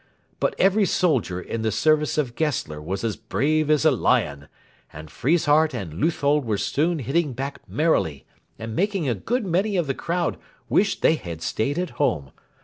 But every soldier in the service of Gessler was as brave as a lion, and Friesshardt and Leuthold were soon hitting back merrily, and making a good many of the crowd wish that they had stayed at home.